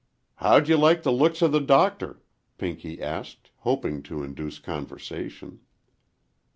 "How'd you like the looks of the Doctor?" Pinky asked, hoping to induce conversation.